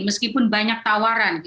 meskipun banyak tawaran